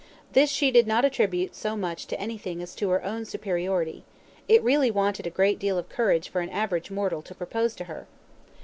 This she did not attribute so much to anything as to her own superiority; it really wanted a great deal of courage for an average mortal to propose to her.